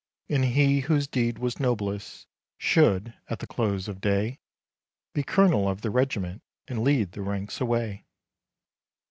And he whose deed was noblest Should, at the close of day, Be colonel of the regiment, And lead the ranks away.